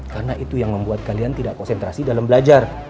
karena itu yang membuat kalian tidak konsentrasi dalam belajar